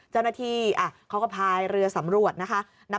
เจ้าหน้าที่เขาก็พายเรือสำรวจนะคะ